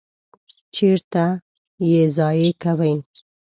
چیرته ییضایع کوی؟